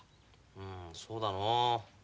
うんそうだのう。